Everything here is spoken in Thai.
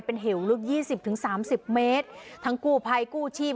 เป็นเหวลึกยี่สิบถึงสามสิบเมตรทั้งกู้ภัยกู้ชีพ